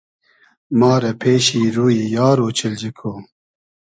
ما رۂ پېشی روی یار اۉچیلجی کو